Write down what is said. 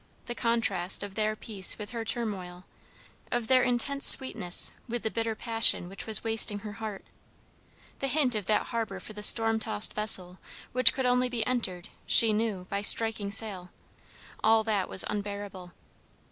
The contrast of their peace with her turmoil, of their intense sweetness with the bitter passion which was wasting her heart; the hint of that harbour for the storm tossed vessel, which could only be entered, she knew, by striking sail; all that was unbearable.